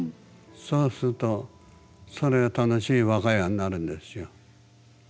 そうするとそれが楽しい我が家になるんですよ。